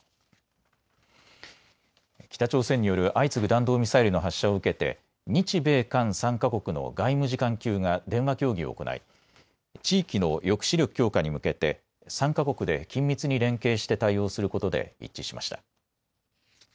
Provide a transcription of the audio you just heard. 北朝鮮による相次ぐ弾道ミサイルの発射を受けて日米韓３か国の外務次官級が電話協議を行い地域の抑止力強化に向けて３か国で緊密に連携して対応することで一致しました。